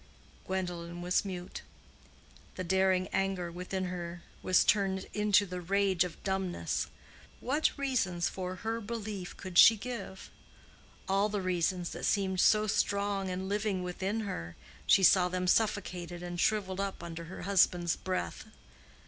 Gwendolen was mute. The daring anger within her was turned into the rage of dumbness. What reasons for her belief could she give? All the reasons that seemed so strong and living within her—she saw them suffocated and shrivelled up under her husband's breath.